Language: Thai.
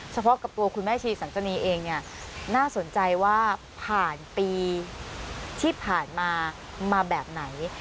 เฉพาะกับตัวคุณแม่ชีสันจนีเองเนี่ยน่าสนใจว่าผ่านปีที่ผ่านมามาแบบไหน